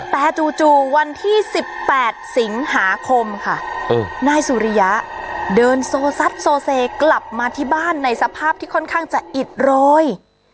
แต่จู่วันที่๑๘สิงหาคมค่ะนายสุริยะเดินโซซัดโซเซกลับมาที่บ้านในสภาพที่ค่อนข้างจะอิดโรย